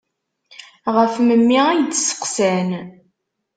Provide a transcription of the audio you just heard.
Ɣef memmi ay d-seqqsan.